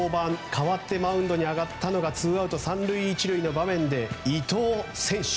代わってマウンドに上がったのがツーアウト、３塁１塁の場面で伊藤選手。